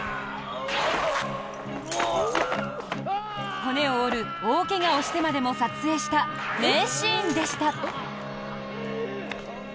骨を折る大怪我をしてまでも撮影した名シーンでした。